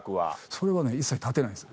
それはね一切立てないです